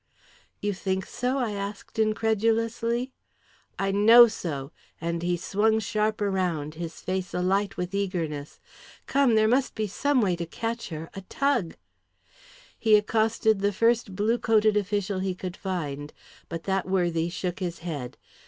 "You think so?" I asked incredulously. "I know so!" and he swung sharp round, his face alight with eagerness. "Come there must be some way to catch her a tug " He accosted the first blue coated official he could find, but that worthy shook his head.